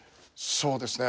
そうですね。